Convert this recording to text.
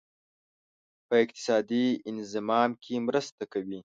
په اقتصادي انضمام کې مرسته کوي.